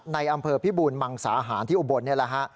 ในอำเภอพิบูรมังสาหารที่อุบลนี่แหละฮะ